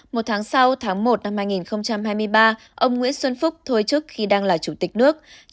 một tháng sau tháng một năm hai nghìn hai mươi ba ông nguyễn xuân phúc thôi chức khi đang là chủ tịch nước